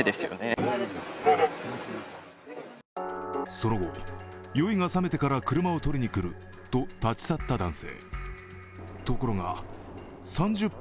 その後、酔いが覚めてから車をとりに来ると立ち去った男性。